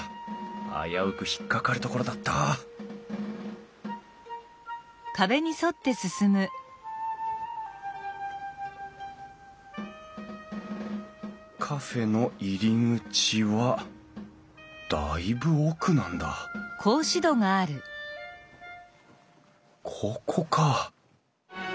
危うく引っ掛かるところだったカフェの入り口はだいぶ奥なんだここか！